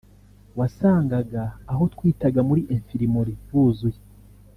wasangaga aho twitaga muri infirmerie huzuye